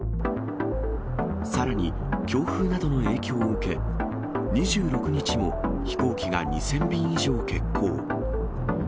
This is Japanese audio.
さらに、強風などの影響を受け、２６日も飛行機が２０００便以上欠航。